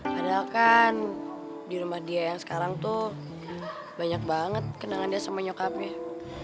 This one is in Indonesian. padahal kan di rumah dia yang sekarang tuh banyak banget kenangan dia sama nyokapnya